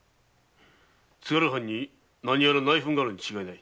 津軽藩に何やら内紛があるに違いない。